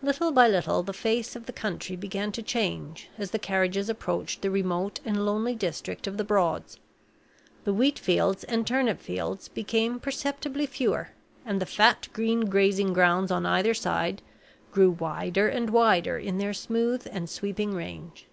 Little by little the face of the country began to change as the carriages approached the remote and lonely district of the Broads. The wheat fields and turnip fields became perceptibly fewer, and the fat green grazing grounds on either side grew wider and wider in their smooth and sweeping range.